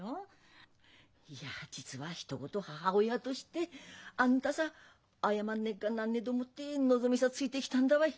いや実はひと言母親としてあんたさ謝んねっがなんねえど思ってのぞみさついできたんだわい。